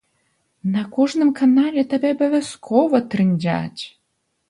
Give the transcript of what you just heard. Па кожным канале табе абавязкова трындзяць!